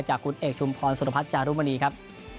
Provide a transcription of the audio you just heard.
จากคุณเอกชุมพรสุรพัฒน์จารุมณีครับ